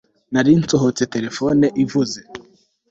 nari nsohotse, telefone ivuze